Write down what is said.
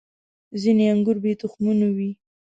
• ځینې انګور بې تخمونو وي.